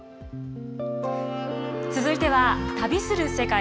続いては「旅する世界」。